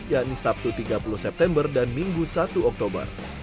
yakni sabtu tiga puluh september dan minggu satu oktober